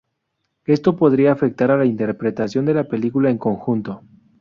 Esto podría afectar a la interpretación de la película en conjunto.